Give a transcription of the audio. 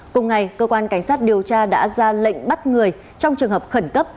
cùng ngày cơ quan cảnh sát điều tra đã ra lệnh bắt người trong trường hợp khẩn cấp